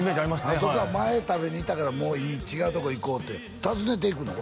あそこは前食べに行ったからもういい違うとこ行こうって訪ねていくの？